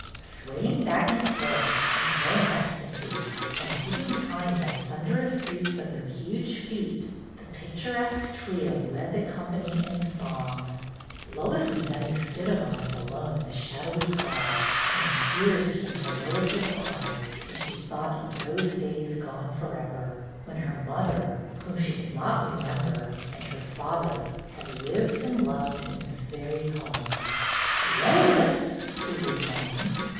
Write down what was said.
Swaying back and forth, as though in ecstasy, and keeping time by thunderous beats of their huge feet, the picturesque trio led the company in song. THE GYPSIES 297 Lois and Dunny stood a moment alone in the shadowy hall, and tears came to Lois's eyes as she thought of those days gone forever, when her mother, whom she could not remem ber, and her father had lived and loved in this very home. ''Lois!" pleaded Dunny.